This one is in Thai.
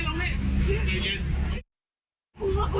อย่าเย็นน้องอย่าเย็น